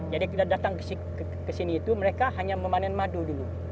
jadi kita datang ke sini itu mereka hanya memanen madu dulu